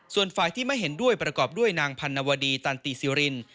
ส่วนฝ่ายที่ไม่เห็นด้วยประกอบด้วยนางพันนวดีตันติซิริน